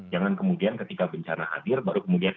jangan kemudian ketika bencana hadir baru kemudian